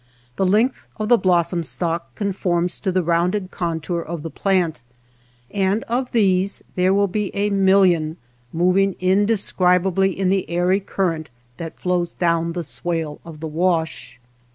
The length of the blossom stalk conforms to the rounded contour of the plant, and of these there will be a million moving indescribably in the airy current that flows down the swale of the wash.